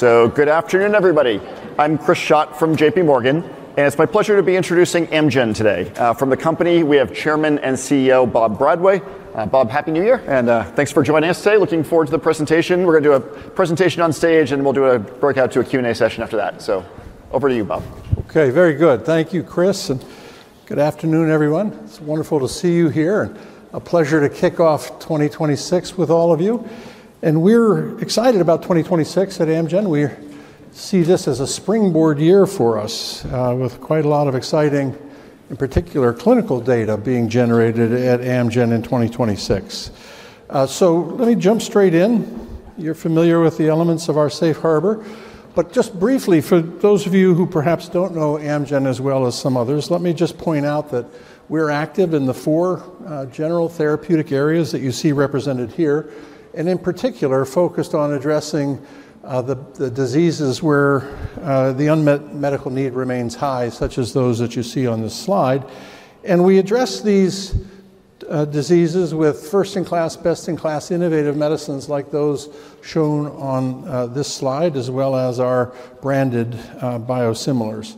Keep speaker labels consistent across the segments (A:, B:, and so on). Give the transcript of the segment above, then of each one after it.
A: Good afternoon, everybody. I'm Chris Schott from JPMorgan, and it's my pleasure to be introducing Amgen today. From the company, we have Chairman and CEO, Bob Bradway. Bob, Happy New Year, and thanks for joining us today. Looking forward to the presentation. We're going to do a presentation on stage, and we'll do a breakout to a Q&A session after that. Over to you, Bob.
B: OK, very good. Thank you, Chris. And good afternoon, everyone. It's wonderful to see you here, and a pleasure to kick off 2026 with all of you. And we're excited about 2026 at Amgen. We see this as a springboard year for us, with quite a lot of exciting, in particular clinical data being generated at Amgen in 2026. So let me jump straight in. You're familiar with the elements of our safe harbor. But just briefly, for those of you who perhaps don't know Amgen as well as some others, let me just point out that we're active in the four general therapeutic areas that you see represented here, and in particular focused on addressing the diseases where the unmet medical need remains high, such as those that you see on this slide. We address these diseases with first in-class, best in-class innovative medicines like those shown on this slide, as well as our branded biosimilars.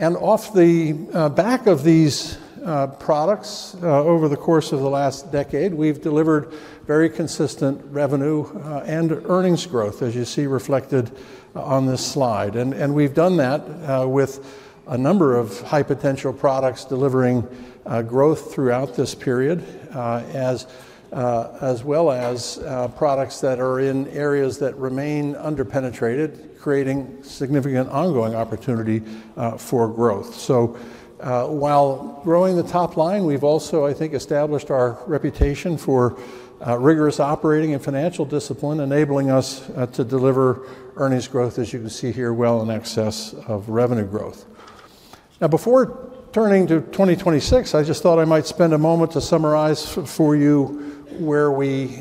B: Off the back of these products, over the course of the last decade, we've delivered very consistent revenue and earnings growth, as you see reflected on this slide. We've done that with a number of high-potential products delivering growth throughout this period, as well as products that are in areas that remain under-penetrated, creating significant ongoing opportunity for growth. While growing the top line, we've also, I think, established our reputation for rigorous operating and financial discipline, enabling us to deliver earnings growth, as you can see here, well in excess of revenue growth. Now, before turning to 2026, I just thought I might spend a moment to summarize for you where we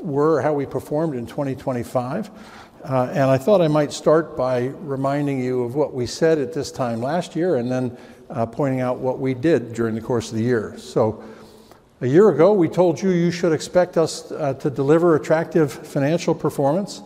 B: were or how we performed in 2025. I thought I might start by reminding you of what we said at this time last year and then pointing out what we did during the course of the year. A year ago, we told you you should expect us to deliver attractive financial performance.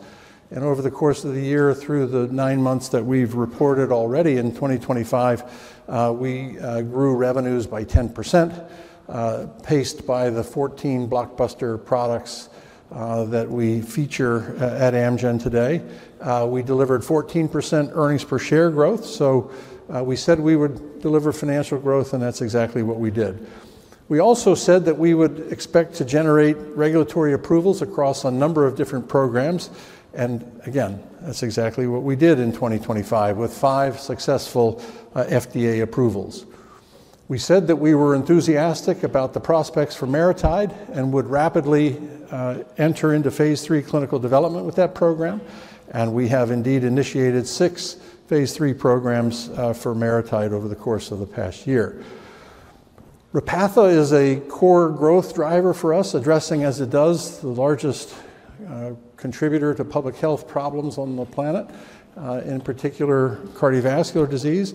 B: Over the course of the year, through the nine months that we've reported already, in 2025, we grew revenues by 10%, paced by the 14 blockbuster products that we feature at Amgen today. We delivered 14% earnings per share growth. We said we would deliver financial growth, and that's exactly what we did. We also said that we would expect to generate regulatory approvals across a number of different programs. Again, that's exactly what we did in 2025, with five successful FDA approvals. We said that we were enthusiastic about the prospects for MariTide and would rapidly enter into phase III clinical development with that program. And we have indeed initiated six phase III programs for MariTide over the course of the past year. REPATHA is a core growth driver for us, addressing, as it does, the largest contributor to public health problems on the planet, in particular cardiovascular disease.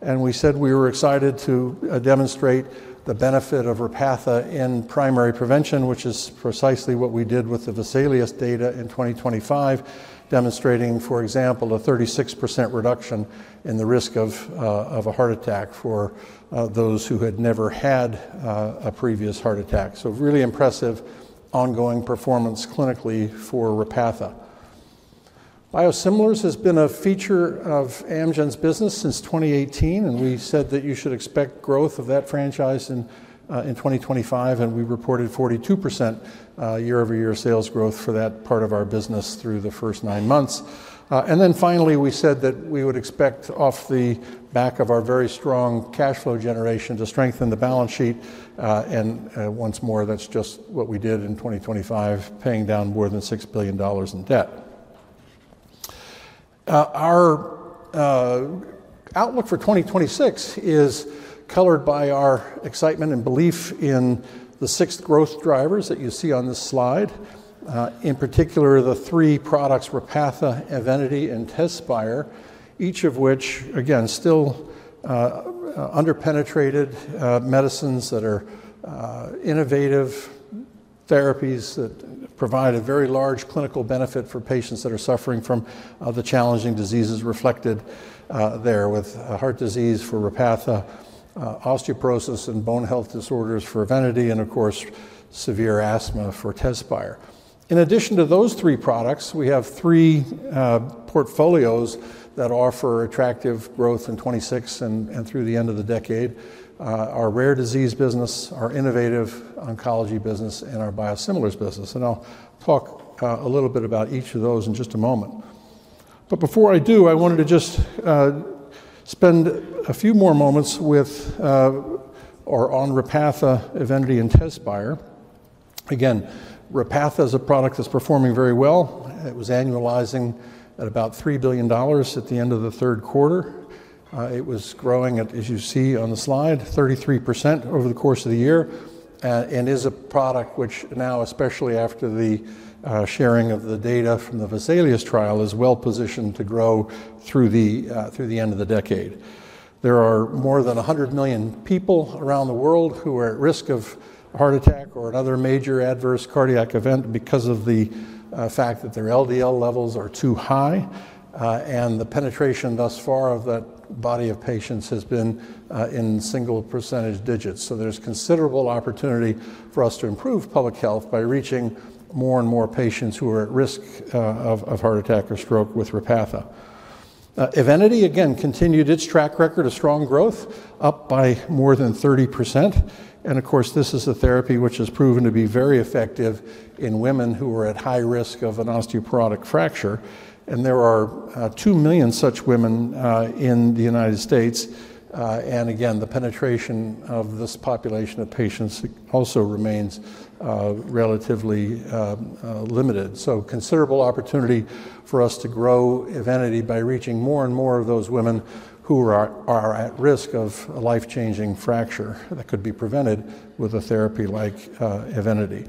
B: And we said we were excited to demonstrate the benefit of REPATHA in primary prevention, which is precisely what we did with the VESALIUS data in 2025, demonstrating, for example, a 36% reduction in the risk of a heart attack for those who had never had a previous heart attack. So really impressive ongoing performance clinically for REPATHA. Biosimilars has been a feature of Amgen's business since 2018, and we said that you should expect growth of that franchise in 2025. And we reported 42% year-over-year sales growth for that part of our business through the first nine months. And then finally, we said that we would expect, off the back of our very strong cash flow generation, to strengthen the balance sheet. And once more, that's just what we did in 2025, paying down more than $6 billion in debt. Our outlook for 2026 is colored by our excitement and belief in the six growth drivers that you see on this slide, in particular the three products REPATHA, EVENITY, and TEZSPIRE, each of which, again, still under-penetrated medicines that are innovative therapies that provide a very large clinical benefit for patients that are suffering from the challenging diseases reflected there, with heart disease for REPATHA, osteoporosis and bone health disorders for EVENITY, and of course, severe asthma for TEZSPIRE. In addition to those three products, we have three portfolios that offer attractive growth in 2026 and through the end of the decade: our rare disease business, our innovative oncology business, and our biosimilars business. And I'll talk a little bit about each of those in just a moment. But before I do, I wanted to just spend a few more moments with or on REPATHA, EVENITY, and TEZSPIRE. Again, REPATHA is a product that's performing very well. It was annualizing at about $3 billion at the end of the third quarter. It was growing, as you see on the slide, 33% over the course of the year and is a product which now, especially after the sharing of the data from the VESALIUS trial, is well positioned to grow through the end of the decade. There are more than 100 million people around the world who are at risk of a heart attack or another major adverse cardiac event because of the fact that their LDL levels are too high. And the penetration thus far of that body of patients has been in single percentage digits. So there's considerable opportunity for us to improve public health by reaching more and more patients who are at risk of heart attack or stroke with REPATHA. EVENITY, again, continued its track record of strong growth, up by more than 30%. And of course, this is a therapy which has proven to be very effective in women who are at high risk of an osteoporotic fracture. And there are two million such women in the United States. And again, the penetration of this population of patients also remains relatively limited. Considerable opportunity for us to grow EVENITY by reaching more and more of those women who are at risk of a life-changing fracture that could be prevented with a therapy like EVENITY.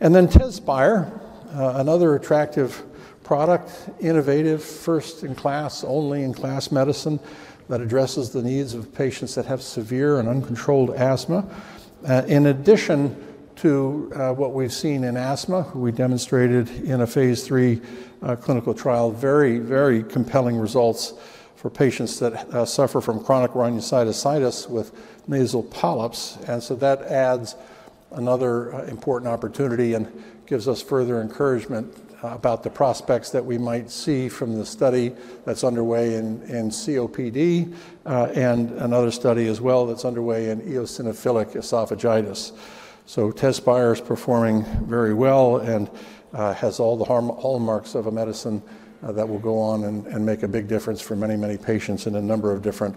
B: And then TEZSPIRE, another attractive product, innovative, first in-class, only in-class medicine that addresses the needs of patients that have severe and uncontrolled asthma. In addition to what we've seen in asthma, we demonstrated in a phase three clinical trial very, very compelling results for patients that suffer from chronic rhinosinusitis with nasal polyps. And so that adds another important opportunity and gives us further encouragement about the prospects that we might see from the study that's underway in COPD and another study as well that's underway in eosinophilic esophagitis. TEZSPIRE is performing very well and has all the hallmarks of a medicine that will go on and make a big difference for many, many patients in a number of different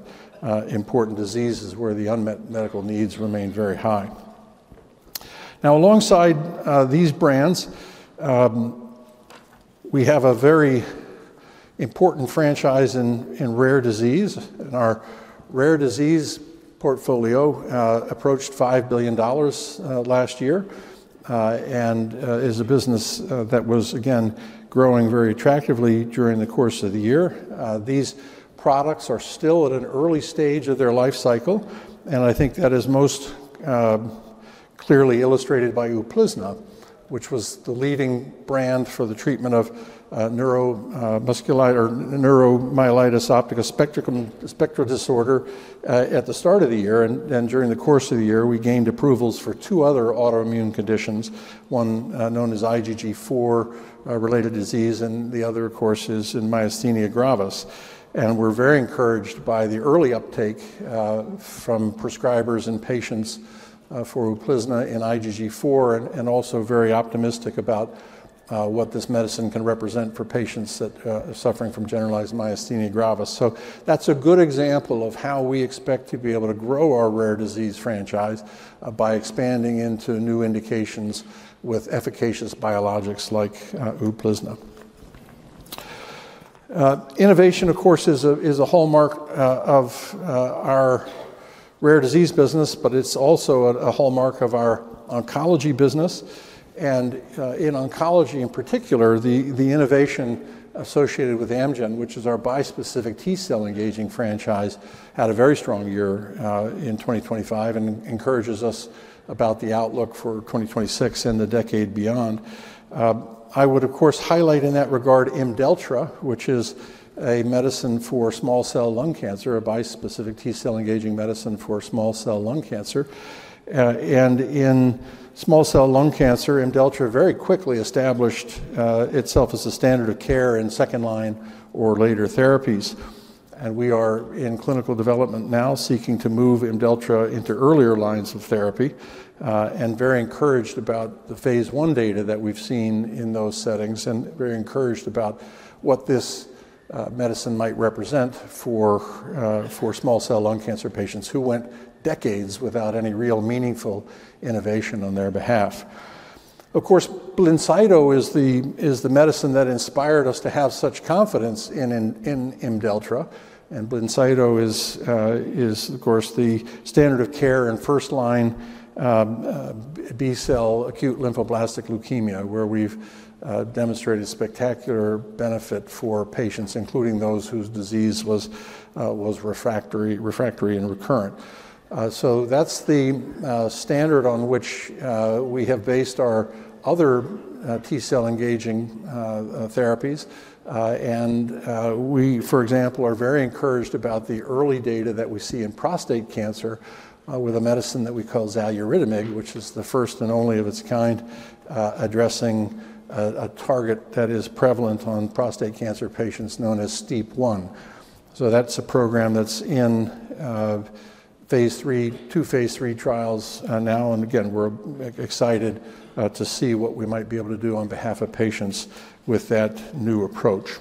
B: important diseases where the unmet medical needs remain very high. Now, alongside these brands, we have a very important franchise in rare disease. Our rare disease portfolio approached $5 billion last year and is a business that was, again, growing very attractively during the course of the year. These products are still at an early stage of their life cycle. I think that is most clearly illustrated by UPLIZNA, which was the leading brand for the treatment of neuromyelitis optica spectrum disorder at the start of the year. And then during the course of the year, we gained approvals for two other autoimmune conditions, one known as IgG4-related disease and the other, of course, is myasthenia gravis. And we're very encouraged by the early uptake from prescribers and patients for UPLIZNA in IgG4 and also very optimistic about what this medicine can represent for patients that are suffering from generalized myasthenia gravis. So that's a good example of how we expect to be able to grow our rare disease franchise by expanding into new indications with efficacious biologics like UPLIZNA. Innovation, of course, is a hallmark of our rare disease business, but it's also a hallmark of our oncology business. And in oncology in particular, the innovation associated with Amgen, which is our bispecific T-cell engaging franchise, had a very strong year in 2025 and encourages us about the outlook for 2026 and the decade beyond. I would, of course, highlight in that regard Imdeltra, which is a medicine for small cell lung cancer, a bispecific T-cell engager medicine for small cell lung cancer. And in small cell lung cancer, IMDELLTRA very quickly established itself as a standard of care in second-line or later therapies. And we are in clinical development now, seeking to move IMDELLTRA into earlier lines of therapy and very encouraged about the phase I data that we've seen in those settings and very encouraged about what this medicine might represent for small cell lung cancer patients who went decades without any real meaningful innovation on their behalf. Of course, BLINCYTO is the medicine that inspired us to have such confidence in IMDELLTRA. And BLINCYTO is, of course, the standard of care in first-line B-cell acute lymphoblastic leukemia, where we've demonstrated spectacular benefit for patients, including those whose disease was refractory and recurrent. That's the standard on which we have based our other T-cell engaging therapies. And we, for example, are very encouraged about the early data that we see in prostate cancer with a medicine that we call Amgen, Xaluridomig, which is the first and only of its kind addressing a target that is prevalent on prostate cancer patients known as STEAP1. That's a program that's in phase III, two phase III trials now. And again, we're excited to see what we might be able to do on behalf of patients with that new approach.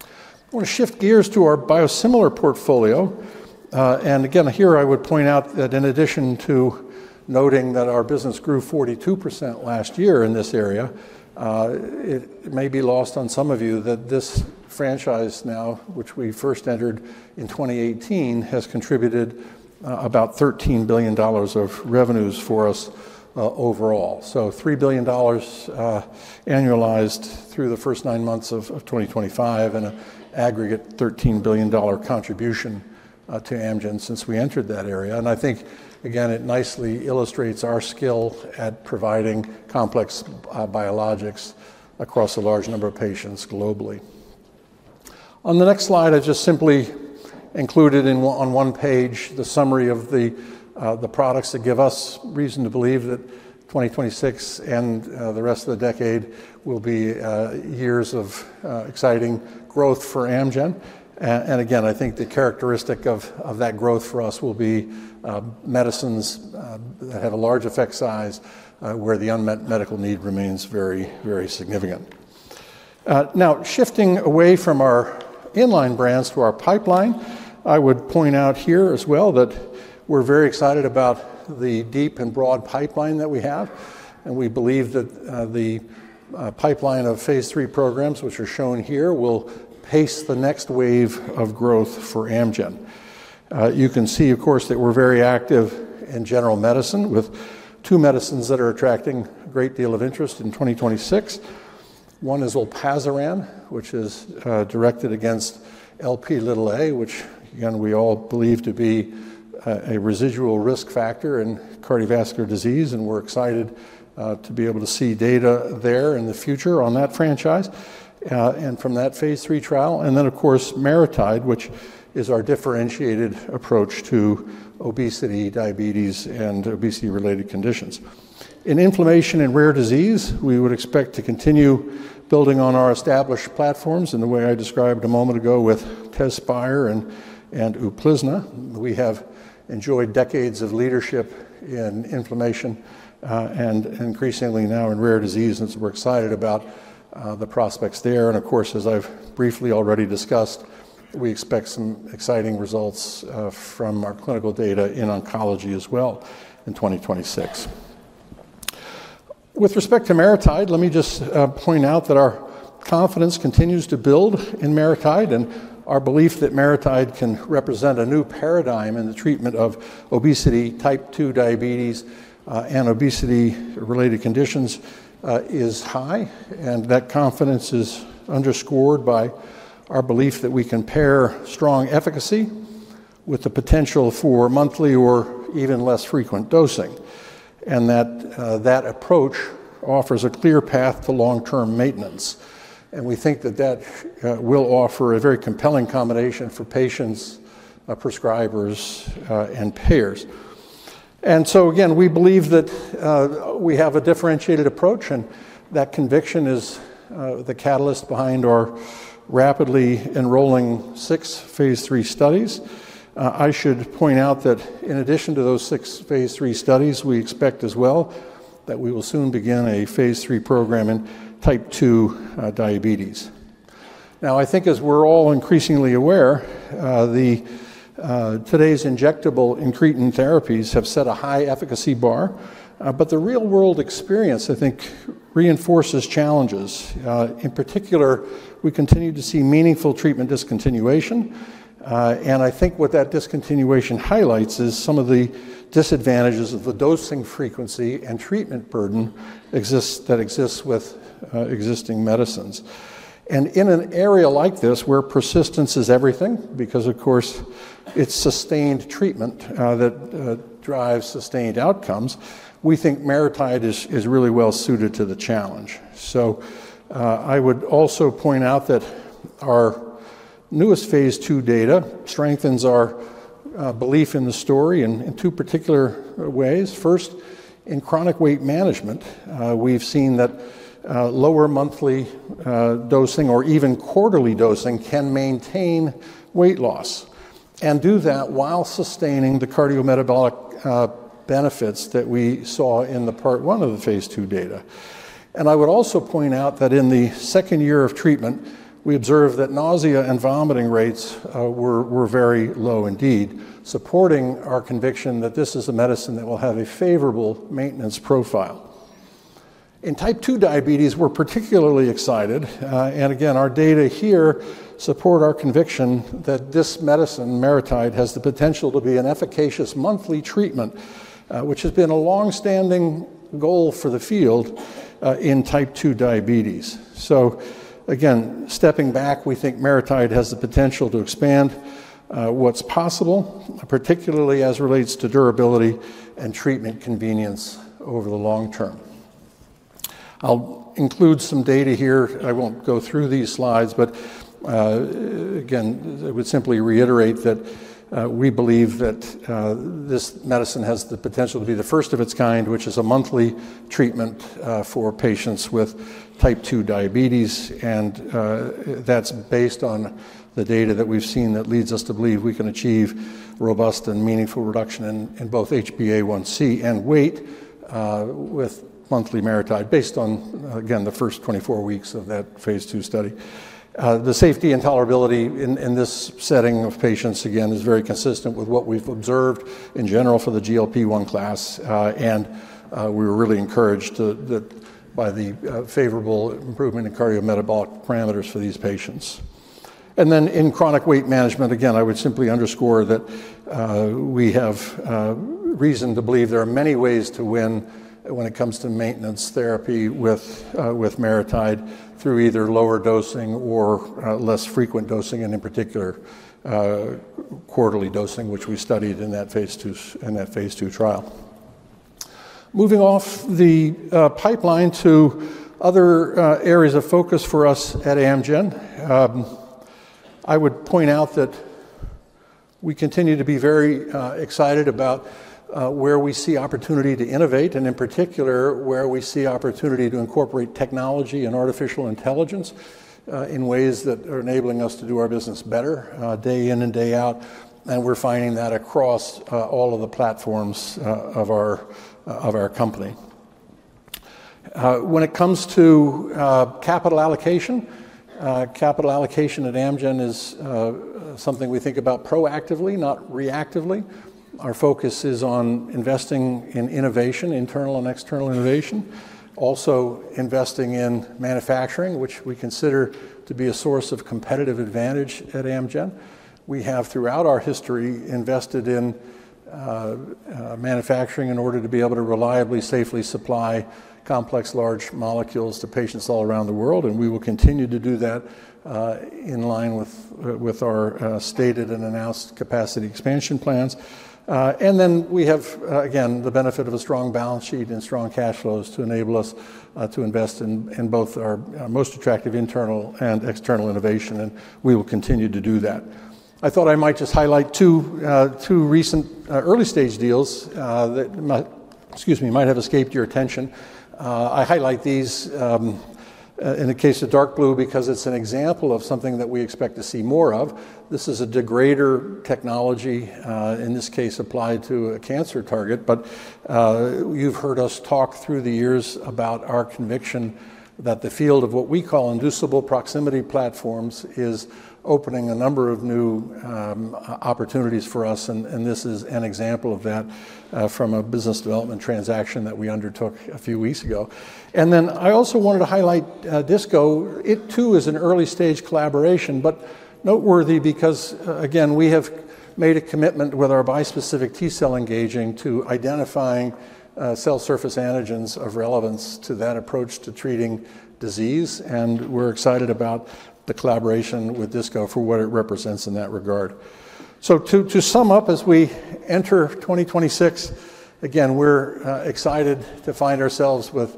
B: I want to shift gears to our biosimilar portfolio. And again, here I would point out that in addition to noting that our business grew 42% last year in this area, it may be lost on some of you that this franchise now, which we first entered in 2018, has contributed about $13 billion of revenues for us overall. So $3 billion annualized through the first nine months of 2025 and an aggregate $13 billion contribution to Amgen since we entered that area. And I think, again, it nicely illustrates our skill at providing complex biologics across a large number of patients globally. On the next slide, I just simply included on one page the summary of the products that give us reason to believe that 2026 and the rest of the decade will be years of exciting growth for Amgen. Again, I think the characteristic of that growth for us will be medicines that have a large effect size where the unmet medical need remains very, very significant. Now, shifting away from our inline brands to our pipeline, I would point out here as well that we're very excited about the deep and broad pipeline that we have. We believe that the pipeline of phase III programs, which are shown here, will pace the next wave of growth for Amgen. You can see, of course, that we're very active in general medicine with two medicines that are attracting a great deal of interest in 2026. One is olpasiran, which is directed against Lp(a) which, again, we all believe to be a residual risk factor in cardiovascular disease. And we're excited to be able to see data there in the future on that franchise and from that phase III trial. And then, of course, MariTide, which is our differentiated approach to obesity, diabetes, and obesity-related conditions. In inflammation and rare disease, we would expect to continue building on our established platforms in the way I described a moment ago with TEZSPIRE and UPLIZNA. We have enjoyed decades of leadership in inflammation and increasingly now in rare disease. And so we're excited about the prospects there. And of course, as I've briefly already discussed, we expect some exciting results from our clinical data in oncology as well in 2026. With respect to MariTide, let me just point out that our confidence continues to build in MariTide. And our belief that MariTide can represent a new paradigm in the treatment of obesity, type 2 diabetes, and obesity-related conditions is high. And that confidence is underscored by our belief that we can pair strong efficacy with the potential for monthly or even less frequent dosing and that that approach offers a clear path to long-term maintenance. And we think that that will offer a very compelling combination for patients, prescribers, and payers. And so again, we believe that we have a differentiated approach. And that conviction is the catalyst behind our rapidly enrolling six phase III studies. I should point out that in addition to those six phase III studies, we expect as well that we will soon begin a phase III program in type 2 diabetes. Now, I think as we're all increasingly aware, today's injectable incretin therapies have set a high efficacy bar. But the real-world experience, I think, reinforces challenges. In particular, we continue to see meaningful treatment discontinuation. I think what that discontinuation highlights is some of the disadvantages of the dosing frequency and treatment burden that exists with existing medicines. In an area like this where persistence is everything because, of course, it's sustained treatment that drives sustained outcomes, we think MariTide is really well suited to the challenge. I would also point out that our newest phase II data strengthens our belief in the story in two particular ways. First, in chronic weight management, we've seen that lower monthly dosing or even quarterly dosing can maintain weight loss and do that while sustaining the cardiometabolic benefits that we saw in the part one of the phase II data. And I would also point out that in the second year of treatment, we observed that nausea and vomiting rates were very low indeed, supporting our conviction that this is a medicine that will have a favorable maintenance profile. In type 2 diabetes, we're particularly excited. And again, our data here support our conviction that this medicine, MariTide, has the potential to be an efficacious monthly treatment, which has been a long-standing goal for the field in type 2 diabetes. So again, stepping back, we think MariTide has the potential to expand what's possible, particularly as it relates to durability and treatment convenience over the long term. I'll include some data here. I won't go through these slides. But again, I would simply reiterate that we believe that this medicine has the potential to be the first of its kind, which is a monthly treatment for patients with type 2 diabetes. And that's based on the data that we've seen that leads us to believe we can achieve robust and meaningful reduction in both HbA1c and weight with monthly MariTide based on, again, the first 24 weeks of that phase II study. The safety and tolerability in this setting of patients, again, is very consistent with what we've observed in general for the GLP-1 class. And we were really encouraged by the favorable improvement in cardiometabolic parameters for these patients. And then in chronic weight management, again, I would simply underscore that we have reason to believe there are many ways to win when it comes to maintenance therapy with MariTide through either lower dosing or less frequent dosing and in particular quarterly dosing, which we studied in that phase II trial. Moving off the pipeline to other areas of focus for us at Amgen, I would point out that we continue to be very excited about where we see opportunity to innovate and in particular where we see opportunity to incorporate technology and artificial intelligence in ways that are enabling us to do our business better day in and day out. And we're finding that across all of the platforms of our company. When it comes to capital allocation, capital allocation at Amgen is something we think about proactively, not reactively. Our focus is on investing in innovation, internal and external innovation, also investing in manufacturing, which we consider to be a source of competitive advantage at Amgen. We have throughout our history invested in manufacturing in order to be able to reliably, safely supply complex large molecules to patients all around the world, and we will continue to do that in line with our stated and announced capacity expansion plans, and then we have, again, the benefit of a strong balance sheet and strong cash flows to enable us to invest in both our most attractive internal and external innovation, and we will continue to do that. I thought I might just highlight two recent early stage deals that, excuse me, might have escaped your attention. I highlight these in the case of Dark Blue because it's an example of something that we expect to see more of. This is a degrader technology, in this case applied to a cancer target, but you've heard us talk through the years about our conviction that the field of what we call inducible proximity platforms is opening a number of new opportunities for us, and this is an example of that from a business development transaction that we undertook a few weeks ago. Then I also wanted to highlight DISCO. It too is an early stage collaboration, but noteworthy because, again, we have made a commitment with our bispecific T-cell engager to identifying cell surface antigens of relevance to that approach to treating disease, and we're excited about the collaboration with DISCO for what it represents in that regard. So to sum up, as we enter 2026, again, we're excited to find ourselves with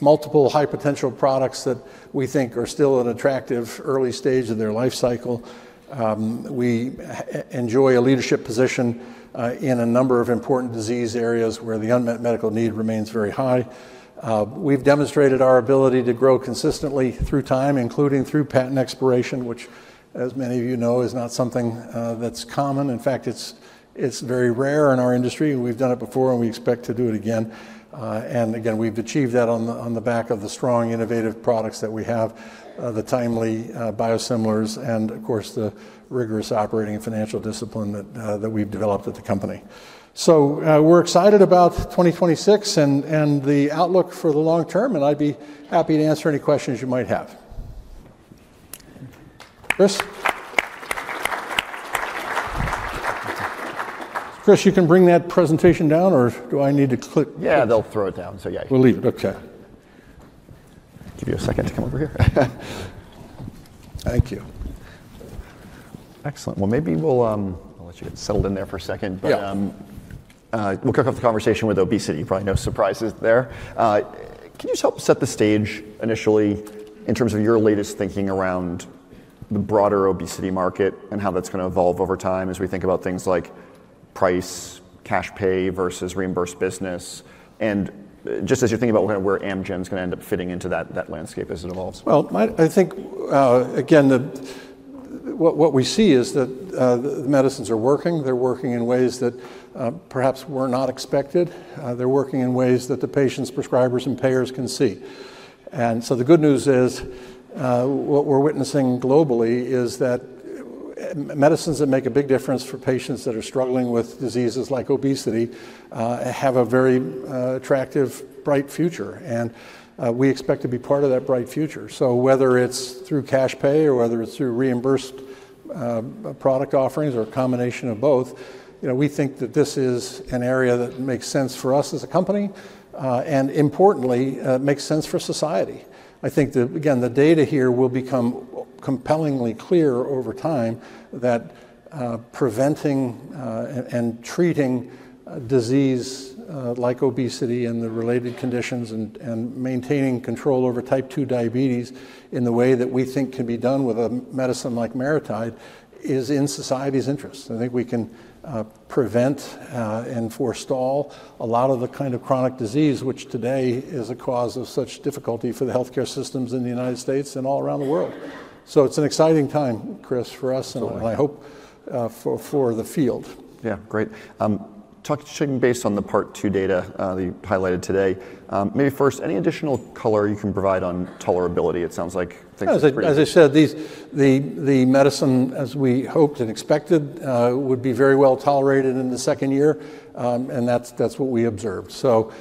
B: multiple high potential products that we think are still at an attractive early stage of their life cycle. We enjoy a leadership position in a number of important disease areas where the unmet medical need remains very high. We've demonstrated our ability to grow consistently through time, including through patent expiration, which, as many of you know, is not something that's common. In fact, it's very rare in our industry. We've done it before and we expect to do it again. And again, we've achieved that on the back of the strong, innovative products that we have, the timely biosimilars, and of course, the rigorous operating financial discipline that we've developed at the company. So we're excited about 2026 and the outlook for the long term. And I'd be happy to answer any questions you might have. Chris? Chris, you can bring that presentation down or do I need to click?
A: Yeah, they'll throw it down. So yeah, you can.
B: We'll leave it. Okay.
A: Give you a second to come over here.
B: Thank you.
A: Excellent. Well, maybe we'll let you get settled in there for a second. But we'll kick off the conversation with obesity. Probably no surprises there. Can you just help set the stage initially in terms of your latest thinking around the broader obesity market and how that's going to evolve over time as we think about things like price, cash pay versus reimbursed business? And just as you're thinking about where Amgen is going to end up fitting into that landscape as it evolves.
B: Well, I think, again, what we see is that the medicines are working. They're working in ways that perhaps were not expected. They're working in ways that the patients, prescribers, and payers can see. And so the good news is what we're witnessing globally is that medicines that make a big difference for patients that are struggling with diseases like obesity have a very attractive, bright future. And we expect to be part of that bright future. So whether it's through cash pay or whether it's through reimbursed product offerings or a combination of both, we think that this is an area that makes sense for us as a company and importantly, makes sense for society. I think that, again, the data here will become compellingly clear over time that preventing and treating disease like obesity and the related conditions and maintaining control over type 2 diabetes in the way that we think can be done with a medicine like MariTide is in society's interest. I think we can prevent and forestall a lot of the kind of chronic disease, which today is a cause of such difficulty for the healthcare systems in the United States and all around the world. So it's an exciting time, Chris, for us and I hope for the field.
A: Yeah, great. Touching base on the part two data that you highlighted today, maybe first, any additional color you can provide on tolerability, it sounds like.
B: As I said, the medicine, as we hoped and expected, would be very well tolerated in the second year. And that's what we observed. So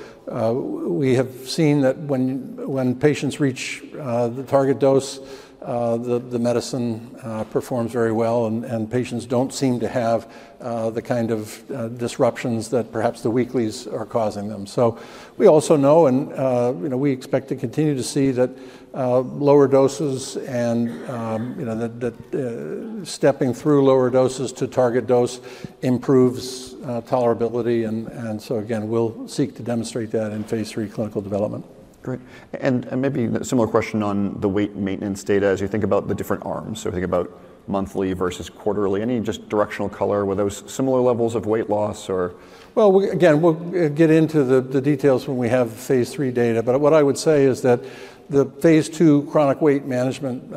B: we have seen that when patients reach the target dose, the medicine performs very well. And patients don't seem to have the kind of disruptions that perhaps the weeklies are causing them. So we also know and we expect to continue to see that lower doses and stepping through lower doses to target dose improves tolerability. And so again, we'll seek to demonstrate that in phase III clinical development.
A: Great. And maybe a similar question on the weight maintenance data as you think about the different arms. So we think about monthly versus quarterly. Any just directional color with those similar levels of weight loss or?
B: Well, again, we'll get into the details when we have phase three data. But what I would say is that the phase II chronic weight management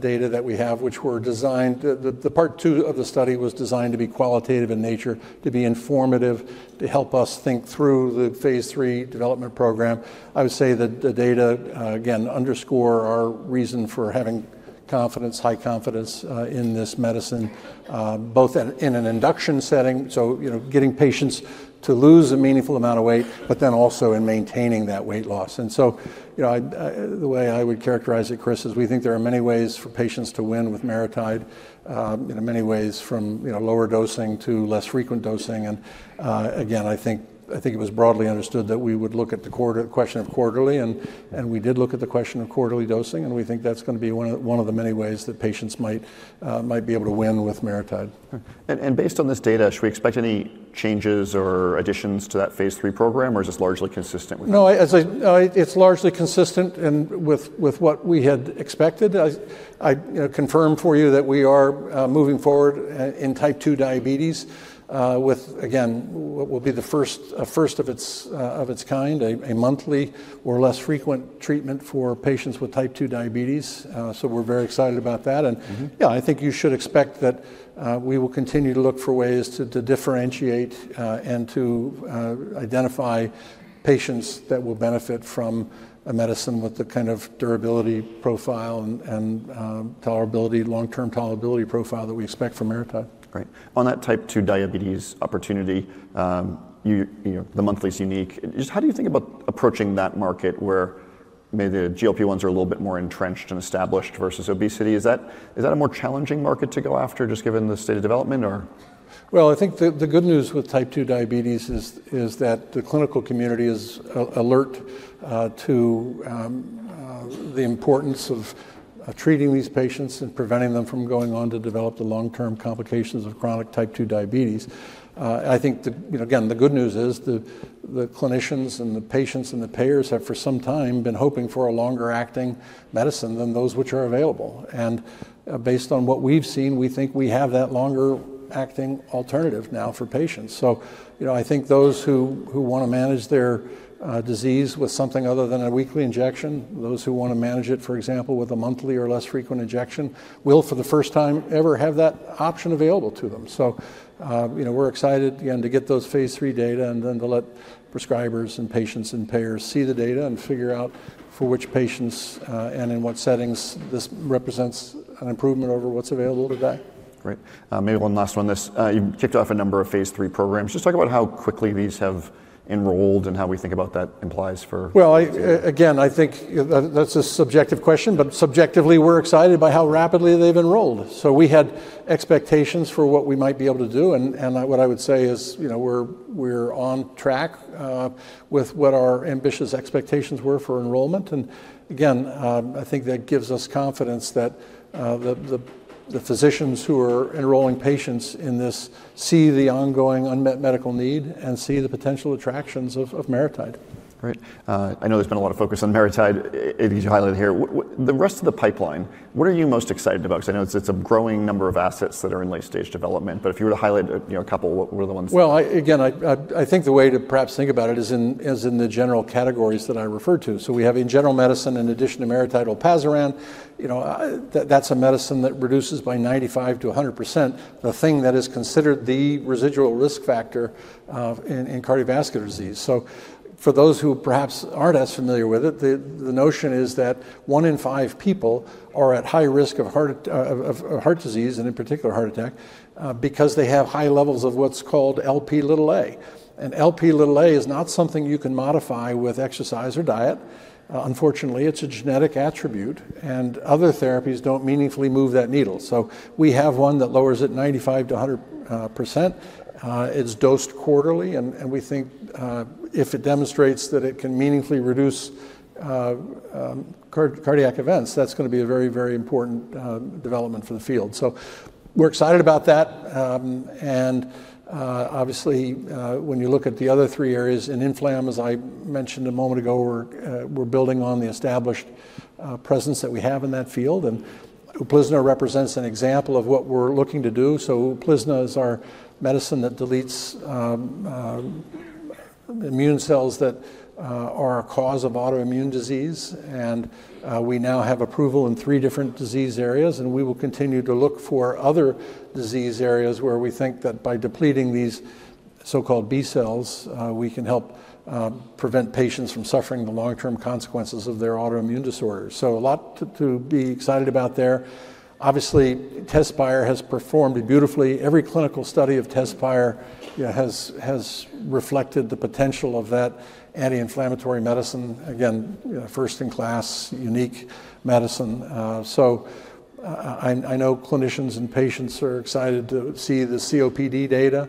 B: data that we have, which were designed, the part two of the study was designed to be qualitative in nature, to be informative, to help us think through the phase III development program. I would say that the data, again, underscore our reason for having confidence, high confidence in this medicine, both in an induction setting, so getting patients to lose a meaningful amount of weight, but then also in maintaining that weight loss. And so the way I would characterize it, Chris, is we think there are many ways for patients to win with MariTide in many ways from lower dosing to less frequent dosing. And again, I think it was broadly understood that we would look at the question of quarterly. And we did look at the question of quarterly dosing. And we think that's going to be one of the many ways that patients might be able to win with MariTide.
A: Based on this data, should we expect any changes or additions to that phase III program or is this largely consistent with?
B: No, it's largely consistent with what we had expected. I confirm for you that we are moving forward in type 2 diabetes with, again, what will be the first of its kind, a monthly or less frequent treatment for patients with type 2 diabetes. So we're very excited about that. And yeah, I think you should expect that we will continue to look for ways to differentiate and to identify patients that will benefit from a medicine with the kind of durability profile and long-term tolerability profile that we expect from MariTide.
A: Great. On that type 2 diabetes opportunity, the monthly is unique. Just how do you think about approaching that market where maybe the GLP-1s are a little bit more entrenched and established versus obesity? Is that a more challenging market to go after just given the state of development or?
B: I think the good news with type 2 diabetes is that the clinical community is alert to the importance of treating these patients and preventing them from going on to develop the long-term complications of chronic type 2 diabetes. I think, again, the good news is the clinicians and the patients and the payers have for some time been hoping for a longer acting medicine than those which are available, and based on what we've seen, we think we have that longer acting alternative now for patients. So I think those who want to manage their disease with something other than a weekly injection, those who want to manage it, for example, with a monthly or less frequent injection, will for the first time ever have that option available to them. So we're excited, again, to get those phase III data and then to let prescribers and patients and payers see the data and figure out for which patients and in what settings this represents an improvement over what's available today.
A: Great. Maybe one last one this. You kicked off a number of phase III programs. Just talk about how quickly these have enrolled and how we think about that implies for.
B: Well, again, I think that's a subjective question. But subjectively, we're excited by how rapidly they've enrolled. So we had expectations for what we might be able to do. And what I would say is we're on track with what our ambitious expectations were for enrollment. And again, I think that gives us confidence that the physicians who are enrolling patients in this see the ongoing unmet medical need and see the potential attractions of MariTide.
A: Great. I know there's been a lot of focus on MariTide. You highlighted here. The rest of the pipeline, what are you most excited about? Because I know it's a growing number of assets that are in late stage development. But if you were to highlight a couple, what were the ones?
B: Well, again, I think the way to perhaps think about it is in the general categories that I referred to. We have in general medicine, in addition to MariTide or olpasiran, that's a medicine that reduces by 95%-100% the thing that is considered the residual risk factor in cardiovascular disease. For those who perhaps aren't as familiar with it, the notion is that one in five people are at high risk of heart disease and in particular heart attack because they have high levels of what's called Lp(a). Lp(a) is not something you can modify with exercise or diet. Unfortunately, it's a genetic attribute. Other therapies don't meaningfully move that needle. We have one that lowers it 95%-100%. It's dosed quarterly. We think if it demonstrates that it can meaningfully reduce cardiac events, that's going to be a very, very important development for the field. We're excited about that. Obviously, when you look at the other three areas in inflammation, as I mentioned a moment ago, we're building on the established presence that we have in that field. UPLIZNA represents an example of what we're looking to do. UPLIZNA is our medicine that deletes immune cells that are a cause of autoimmune disease. We now have approval in three different disease areas. We will continue to look for other disease areas where we think that by depleting these so-called B cells, we can help prevent patients from suffering the long-term consequences of their autoimmune disorders. A lot to be excited about there. TEZSPIRE has performed beautifully. Every clinical study of TEZSPIRE has reflected the potential of that anti-inflammatory medicine. Again, first in-class, unique medicine. Clinicians and patients are excited to see the COPD data.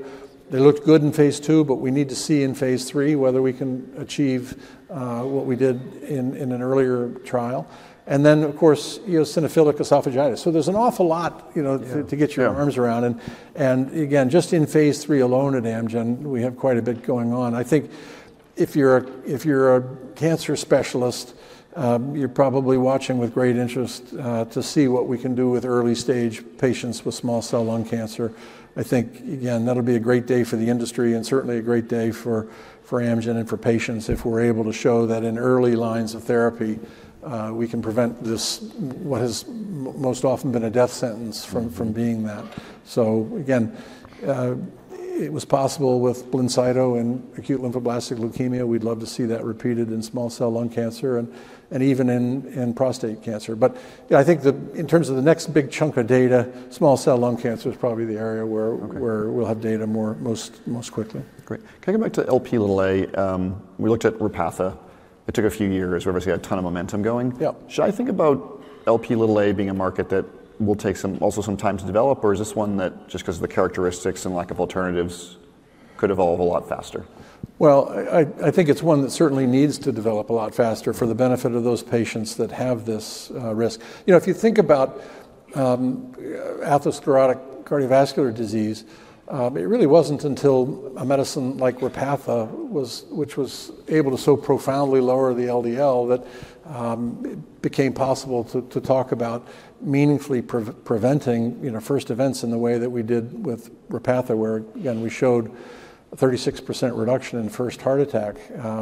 B: They looked good in phase II, but we need to see in phase III whether we can achieve what we did in an earlier trial. And then, of course, eosinophilic esophagitis. So there's an awful lot to get your arms around. And again, just in phase three alone at Amgen, we have quite a bit going on. I think if you're a cancer specialist, you're probably watching with great interest to see what we can do with early stage patients with small cell lung cancer. I think, again, that'll be a great day for the industry and certainly a great day for Amgen and for patients if we're able to show that in early lines of therapy, we can prevent this, what has most often been a death sentence, from being that. So again, it was possible with BLINCYTO and acute lymphoblastic leukemia. We'd love to see that repeated in small cell lung cancer and even in prostate cancer. But I think in terms of the next big chunk of data, small cell lung cancer is probably the area where we'll have data most quickly.
A: Great. Can I come back to Lp(a)? We looked at REPATHA. It took a few years. We obviously had a ton of momentum going. Should I think about Lp(a) being a market that will take also some time to develop, or is this one that just because of the characteristics and lack of alternatives could evolve a lot faster?
B: Well, I think it's one that certainly needs to develop a lot faster for the benefit of those patients that have this risk. If you think about atherosclerotic cardiovascular disease, it really wasn't until a medicine like REPATHA, which was able to so profoundly lower the LDL that it became possible to talk about meaningfully preventing first events in the way that we did with REPATHA, where again, we showed a 36% reduction in first heart attack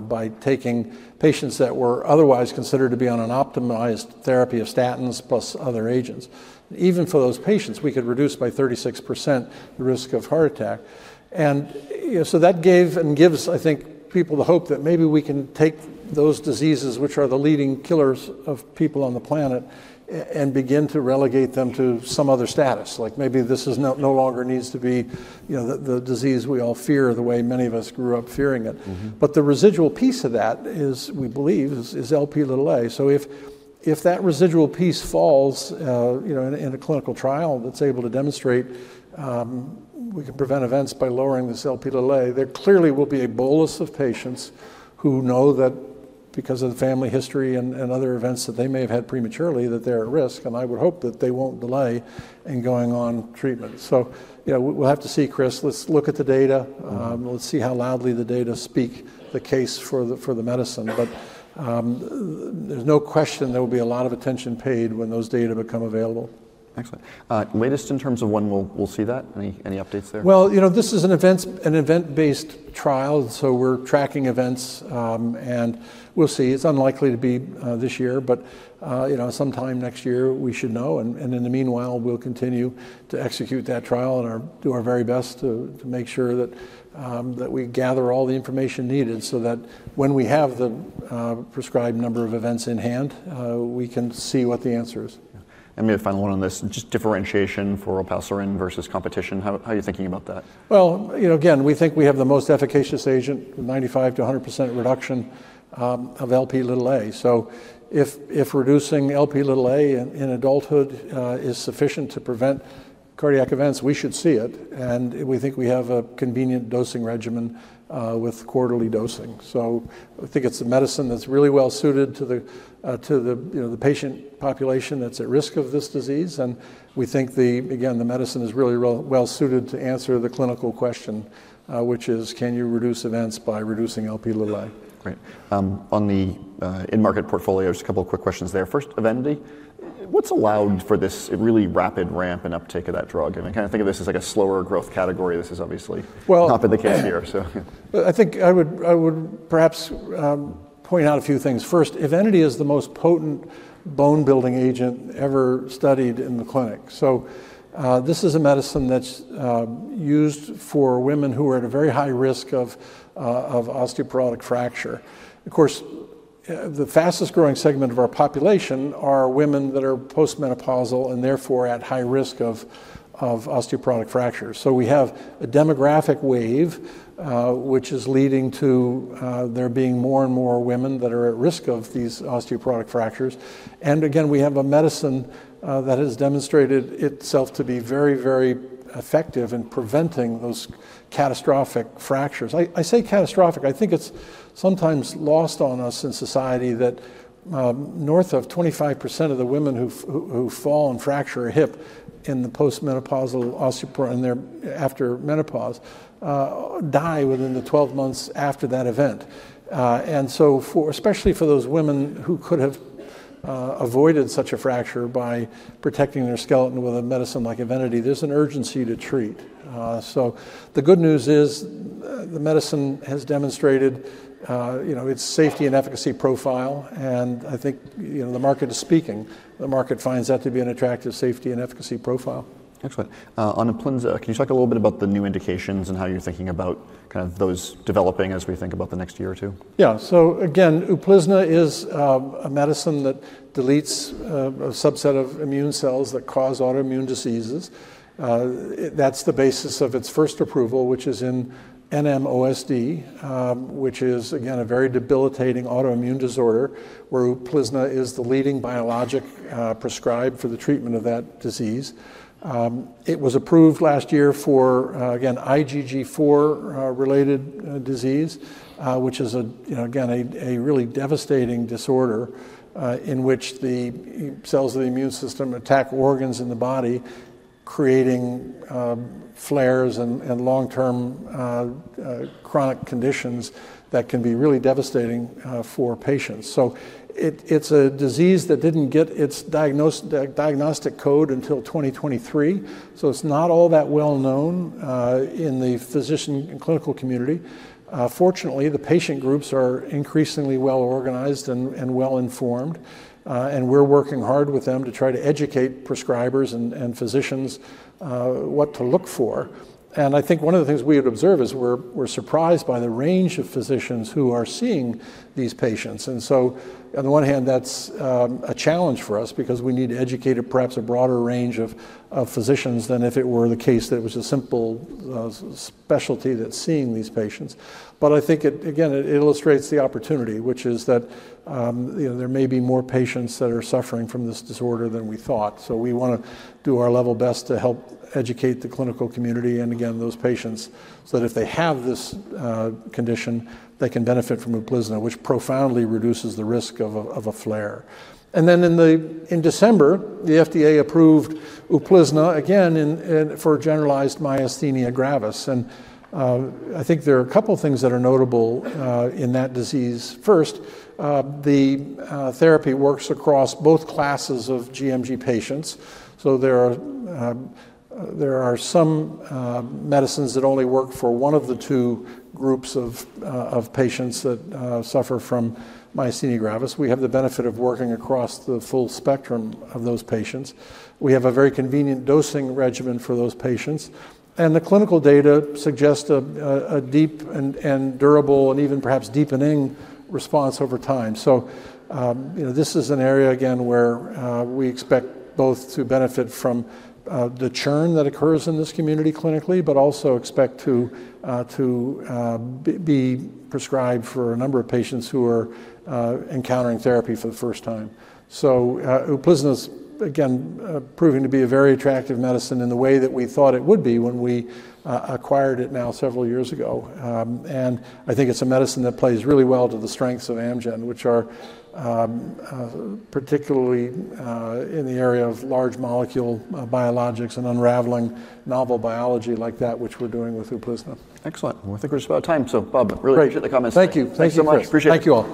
B: by taking patients that were otherwise considered to be on an optimized therapy of statins plus other agents. Even for those patients, we could reduce by 36% the risk of heart attack. And so that gave and gives, I think, people the hope that maybe we can take those diseases, which are the leading killers of people on the planet, and begin to relegate them to some other status. Like maybe this no longer needs to be the disease we all fear the way many of us grew up fearing it. But the residual piece of that, we believe, is Lp(a). So if that residual piece falls in a clinical trial that's able to demonstrate we can prevent events by lowering this Lp(a), there clearly will be a bolus of patients who know that because of the family history and other events that they may have had prematurely, that they're at risk. And I would hope that they won't delay in going on treatment. So we'll have to see, Chris. Let's look at the data. Let's see how loudly the data speak the case for the medicine. But there's no question there will be a lot of attention paid when those data become available.
A: Excellent. Latest in terms of when we'll see that? Any updates there?
B: Well, this is an event-based trial. So we're tracking events. And we'll see. It's unlikely to be this year. But sometime next year, we should know. And in the meanwhile, we'll continue to execute that trial and do our very best to make sure that we gather all the information needed so that when we have the prescribed number of events in hand, we can see what the answer is.
A: And maybe a final one on this, just differentiation for olpasiran versus competition. How are you thinking about that?
B: Well, again, we think we have the most efficacious agent, 95%-100% reduction of Lp(a). So if reducing Lp(a) in adulthood is sufficient to prevent cardiac events, we should see it. And we think we have a convenient dosing regimen with quarterly dosing. So I think it's a medicine that's really well suited to the patient population that's at risk of this disease. We think, again, the medicine is really well suited to answer the clinical question, which is, can you reduce events by reducing Lp(a)?
A: Great. On the in-market portfolio, just a couple of quick questions there. First, EVENITY, what's allowed for this really rapid ramp and uptake of that drug? And I kind of think of this as like a slower growth category. This is obviously not the case here.
B: I think I would perhaps point out a few things. First, EVENITY is the most potent bone-building agent ever studied in the clinic. So this is a medicine that's used for women who are at a very high risk of osteoporotic fracture. Of course, the fastest growing segment of our population are women that are postmenopausal and therefore at high risk of osteoporotic fractures. So we have a demographic wave, which is leading to there being more and more women that are at risk of these osteoporotic fractures. And again, we have a medicine that has demonstrated itself to be very, very effective in preventing those catastrophic fractures. I say catastrophic. I think it's sometimes lost on us in society that north of 25% of the women who fall and fracture a hip in the postmenopausal osteoporosis and their after menopause die within the 12 months after that event. And so especially for those women who could have avoided such a fracture by protecting their skeleton with a medicine like EVENITY, there's an urgency to treat. So the good news is the medicine has demonstrated its safety and efficacy profile. And I think the market is speaking. The market finds that to be an attractive safety and efficacy profile.
A: Excellent. On UPLIZNA, can you talk a little bit about the new indications and how you're thinking about kind of those developing as we think about the next year or two?
B: Yeah. So again, UPLIZNA is a medicine that deletes a subset of immune cells that cause autoimmune diseases. That's the basis of its first approval, which is in NMOSD, which is, again, a very debilitating autoimmune disorder where UPLIZNA is the leading biologic prescribed for the treatment of that disease. It was approved last year for, again, IgG4-related disease, which is, again, a really devastating disorder in which the cells of the immune system attack organs in the body, creating flares and long-term chronic conditions that can be really devastating for patients. So it's a disease that didn't get its diagnostic code until 2023. So it's not all that well known in the physician and clinical community. Fortunately, the patient groups are increasingly well organized and well informed, and we're working hard with them to try to educate prescribers and physicians what to look for, and I think one of the things we had observed is we're surprised by the range of physicians who are seeing these patients, and so on the one hand, that's a challenge for us because we need to educate perhaps a broader range of physicians than if it were the case that it was a simple specialty that's seeing these patients, but I think it, again, illustrates the opportunity, which is that there may be more patients that are suffering from this disorder than we thought. So we want to do our level best to help educate the clinical community and, again, those patients so that if they have this condition, they can benefit from UPLIZNA, which profoundly reduces the risk of a flare. And then in December, the FDA approved UPLIZNA again for generalized myasthenia gravis. And I think there are a couple of things that are notable in that disease. First, the therapy works across both classes of GMG patients. So there are some medicines that only work for one of the two groups of patients that suffer from myasthenia gravis. We have the benefit of working across the full spectrum of those patients. We have a very convenient dosing regimen for those patients. And the clinical data suggest a deep and durable and even perhaps deepening response over time. So this is an area, again, where we expect both to benefit from the churn that occurs in this community clinically, but also expect to be prescribed for a number of patients who are encountering therapy for the first time. So UPLIZNA is, again, proving to be a very attractive medicine in the way that we thought it would be when we acquired it now several years ago. And I think it's a medicine that plays really well to the strengths of Amgen, which are particularly in the area of large molecule biologics and unraveling novel biology like that, which we're doing with UPLIZNA.
A: Excellent. I think we're just about time. So, Bob, really appreciate the comments.
B: Thank you.
A: Thank you so much. Appreciate it.
B: Thank you.